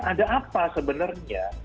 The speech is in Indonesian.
ada apa sebenarnya